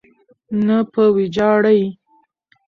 نه په ویجاړۍ.